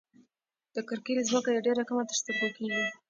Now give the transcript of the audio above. د کرکيلې ځمکه یې ډېره کمه تر سترګو کيږي.